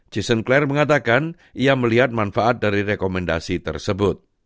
jason claire mengatakan ia melihat manfaat dari rekomendasi tersebut